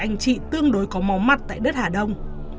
hải đã bị bắt khi đang lẩn trị tương đối có máu mặt tại đất hà đông